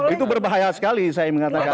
itu berbahaya sekali saya mengatakan